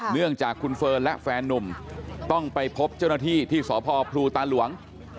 เนื่องจากคุณเฟิร์นและแฟนนุ่มต้องไปพบเจ้าหน้าที่ที่สพพลูตาหลวง